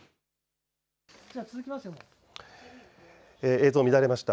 映像乱れました。